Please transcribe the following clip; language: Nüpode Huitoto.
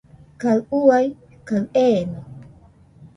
Kaɨ ua kaɨ eeno.